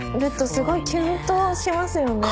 すごいキュンとしますよね。